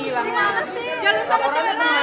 jangan sama sama kekejangan